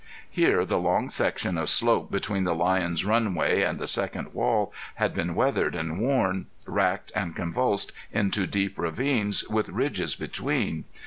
Here the long section of slope between the lion's runway and the second wall had been weathered and worn, racked and convulsed into deep ravines, with ridges between.